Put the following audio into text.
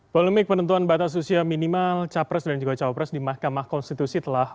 hai polemik penentuan batas usia minimal capres dan juga cawapres di mahkamah konstitusi telah